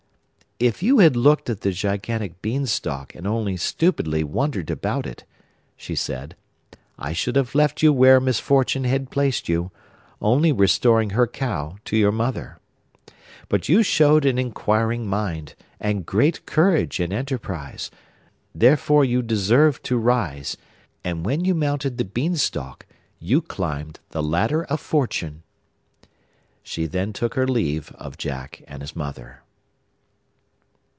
'If you had looked at the gigantic Beanstalk and only stupidly wondered about it,' she said, 'I should have left you where misfortune had placed you, only restoring her cow to your mother. But you showed an inquiring mind, and great courage and enterprise, therefore you deserve to rise; and when you mounted the Beanstalk you climbed the Ladder of Fortune.' She then took her leave of Jack and his mother.